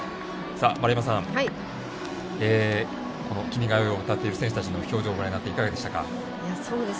丸山さん「君が代」を歌っている選手たちの表情をご覧になっていかがでしたか？